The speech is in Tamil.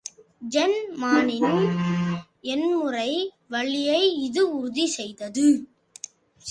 ஜெல் மானின் எண்முறை வழியை இது உறுதி செய்தது.